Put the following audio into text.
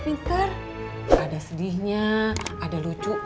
iya sebentar lagi kok